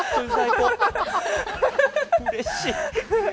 うれしい。